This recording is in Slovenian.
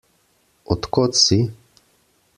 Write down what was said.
Od kod si?